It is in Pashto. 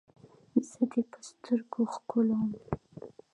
زه دې په سترګو ښکلوم.